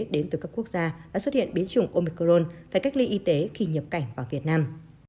đến từ các quốc gia đã xuất hiện biến chủng omicron phải cách ly y tế khi nhập cảnh vào việt nam